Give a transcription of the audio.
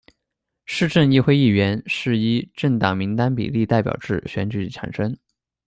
市政议会议员是依政党名单比例代表制选举产生。